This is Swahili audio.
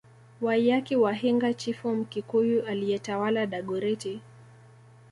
Waiyaki wa Hinga chifu Mkikuyu aliyetawala Dagoretti